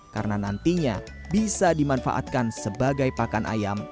karena nantinya bisa dimanfaatkan sebagai pakan ayam